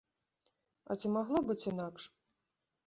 А ці магло быць інакш?